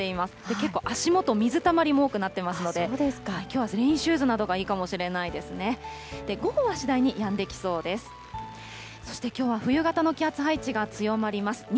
結構、足元、水たまりも多くなってますので、きょうはレインシューズなどがいいかもしれないですね。